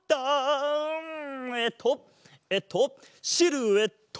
えっとえっとシルエット！